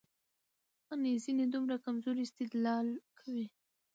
ان ځينې دومره کمزورى استدلال کوي،